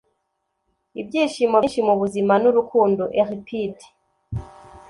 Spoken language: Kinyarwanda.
ibyishimo byinshi mu buzima ni urukundo. - euripide